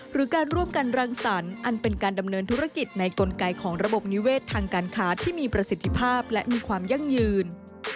หรือการร่วมกันรังสรรค์อันเป็นการดำเนินธุรกิจในกลไกของระบบนิเวศทางการค้าที่มีประสิทธิภาพและมีความยั่งยืน